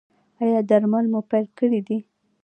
ایا درمل مو پیل کړي دي؟